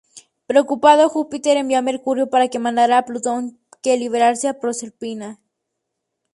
Preocupado, Júpiter envió a Mercurio para que mandara a Plutón que liberase a Proserpina.